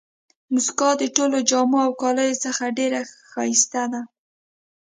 مسکا د ټولو جامو او کالیو څخه ډېره ښایسته ده.